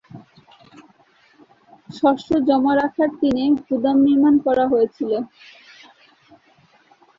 শস্য জমা রাখার টিনের গুদাম নির্মাণ করা হয়েছিলো।